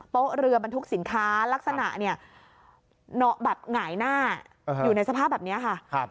เพราะเรือบรรทุกสินค้าลักษณะหน่อยหน้าอยู่ในสภาพแบบนี้ค่ะ